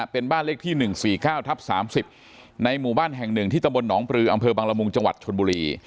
เป็นบ้านเลขที่๑๔๙ทับ๓๐ในหมู่บ้านแห่งหนึ่งที่ตำบลหนองปลืออำเภอบังละมุงจังหวัดชนบุรี